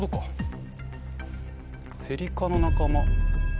セリ科の仲間。